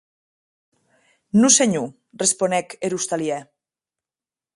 Non senhor, responec er ostalièr.